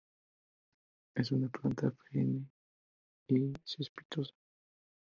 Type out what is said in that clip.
Es una planta perenne y cespitosa.